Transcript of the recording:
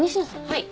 はい。